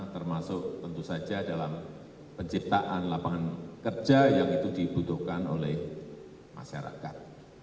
termasuk tentu saja dalam penciptaan lapangan kerja yang itu dibutuhkan oleh masyarakat